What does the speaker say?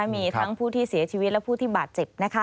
มีทั้งผู้ที่เสียชีวิตและผู้ที่บาดเจ็บ